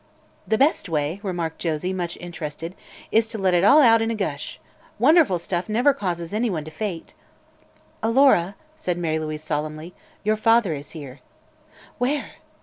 "The best way," remarked Josie, much interested, "is to let it out in a gush. 'Wonderful' stuff never causes anyone to faint." "Alora," said Mary Louise solemnly, "your father is here." "Where?"